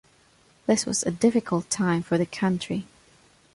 This was a difficult time for the country.